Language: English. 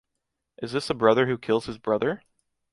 Is this a brother who kills his brother?